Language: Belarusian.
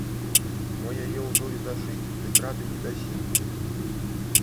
Мо яе ўжо і зашыць, дык рады не дасі?